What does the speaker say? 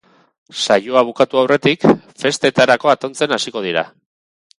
Saioa bukatu aurretik festetarako atontzen hasiko dira.